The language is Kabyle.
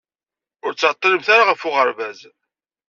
Ur ttɛeṭṭilemt ara ɣef uɣeṛbaz.